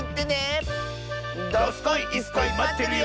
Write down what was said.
どすこいいすこいまってるよ！